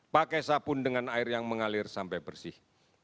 pakai sabun dengan air yang mengalir sampai bersih